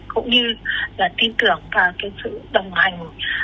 cũng như tin tưởng vào sự đồng hành